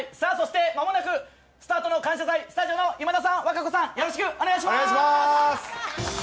間もなくスタートの「感謝祭」、スタジオの今田さん、和歌子さん、よろしくお願いします！